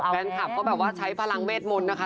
แฟนคลับก็แบบว่าใช้พลังเวทมนต์นะคะ